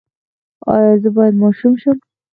ایا زه باید ماشوم شم؟